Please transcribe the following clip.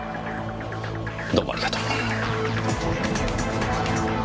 どうもありがとう。